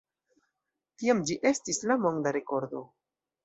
Tiam ĝi estis la monda rekordo.